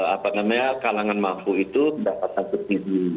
apa namanya kalangan mafu itu mendapatkan kursi